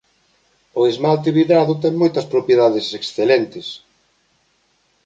O esmalte vidrado ten moitas propiedades excelentes.